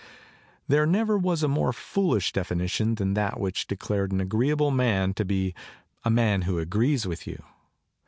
There never was a more foolish definition than that which declared an agreeable man to be " a man who agrees with you."